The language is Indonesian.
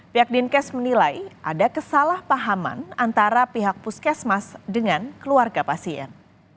pihak dinkes menilai ada kesalahpahaman antara pihak puskesmas dengan keluarga pasien